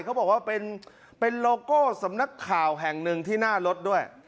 เขาบอกว่าเป็นโลโก้สำนักข่าวแห่งหนึ่งที่หน้ารถด้วย